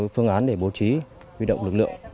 phương án để bố trí huy động lực lượng